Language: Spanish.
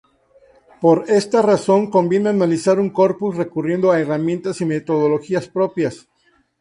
Por esta razón conviene analizar un corpus recurriendo a herramientas y metodología propias.